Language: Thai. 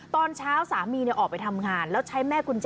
ตอนเช้าสามีออกไปทำงานแล้วใช้แม่กุญแจ